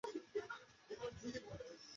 加强可燃物清理